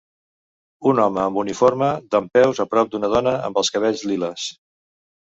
Un home amb uniforme dempeus a prop d'una dona amb els cabells liles.